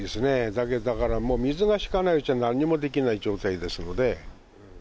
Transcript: だけど、だからもう水が引かないうちはなんにもできない状態ですので。